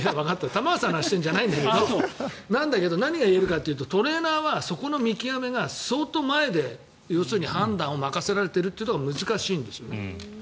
玉川さんの話をしてるんじゃないんだけど何が言えるかというとトレーナーはそこの見極めが相当前で判断を任せられているというのが難しいんですよね。